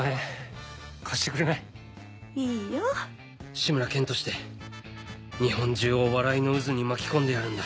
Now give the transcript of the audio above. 志村けんとして日本中を笑いの渦に巻き込んでやるんだ